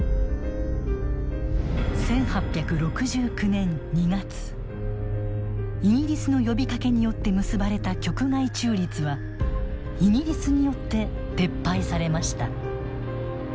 １８６９年２月イギリスの呼びかけによって結ばれた局外中立はイギリスによって撤廃されました。